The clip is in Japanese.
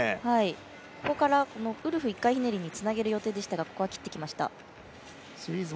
ここからウルフ１回ひねりにつなげる予定でしたが切ってきました。